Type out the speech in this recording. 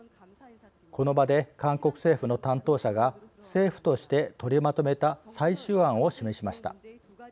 この場で韓国政府の担当者が政府として取りまとめた最終案を示しました。